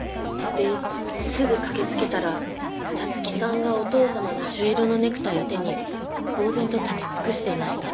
・ですぐ駆けつけたら皐月さんがお義父様の朱色のネクタイを手にぼう然と立ちつくしていました